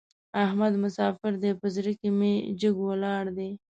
احمد مساپر دی؛ په زړه کې مې جګ ولاړ دی.